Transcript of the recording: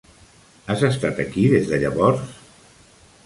Has estat aquí des de llavors?